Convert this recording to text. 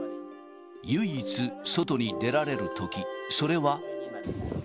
唯一、外に出られるとき、それは。